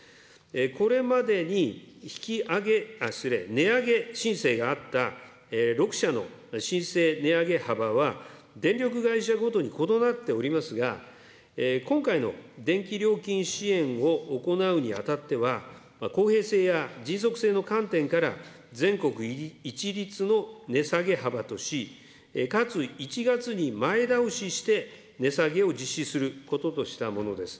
これまでに引き上げ、失礼、値上げ申請があった６社の申請値上げ幅は、電力会社ごとに異なっておりますが、今回の電気料金支援を行うにあたっては、公平性や迅速性の観点から全国一律の値下げ幅とし、かつ１月に前倒しして値下げを実施することとしたものです。